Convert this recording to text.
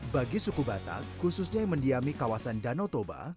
bagi suku batak khususnya yang mendiami kawasan danau toba